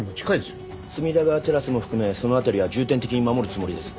隅田川テラスも含めその辺りは重点的に守るつもりです。